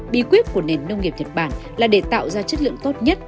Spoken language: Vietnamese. bí quyết của nền nông nghiệp nhật bản là để tạo ra chất lượng tốt nhất